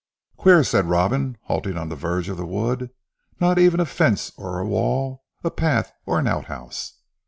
"Queer," said Robin halting on the verge of the wood, "not even a fence or a wall: a path or an outhouse.